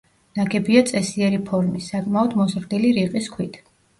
ნაგებია წესიერი ფორმის, საკმაოდ მოზრდილი რიყის ქვით.